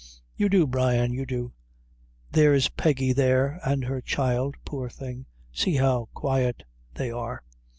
"You do, Brian you do. There s Peggy there, and her child, poor thing; see how quiet they are!